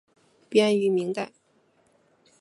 编于明代。